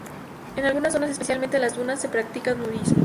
En algunas zonas, especialmente en las dunas, se practica nudismo.